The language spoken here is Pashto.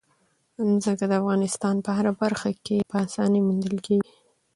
ځمکه د افغانستان په هره برخه کې په اسانۍ موندل کېږي.